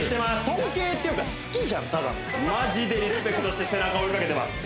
尊敬っていうか好きじゃんただのマジでリスペクトして背中追いかけてます